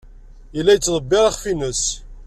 Yella yettḍebbir iɣef-nnes.